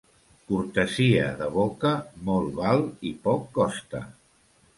Cortesia de boca molt val i poc costa.